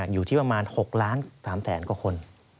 อยู่ที่ประมาณ๖ล้าน๓แสนกว่าคน